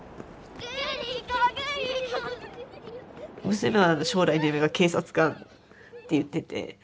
娘が「将来の夢が警察官」って言ってて。